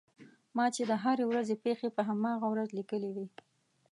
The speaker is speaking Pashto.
ما چې د هرې ورځې پېښې په هماغه ورځ لیکلې وې.